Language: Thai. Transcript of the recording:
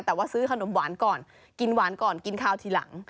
แต่ว่าซื้อขนมหวานก่อนกินหวานก่อนกินข้าวทีหลัง